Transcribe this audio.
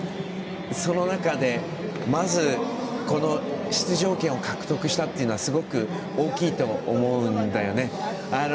その中で、まずこの出場権を獲得したっていうのはすごく大きいと思うんだよね。